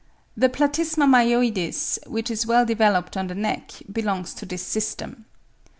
The platysma myoides, which is well developed on the neck, belongs to this system.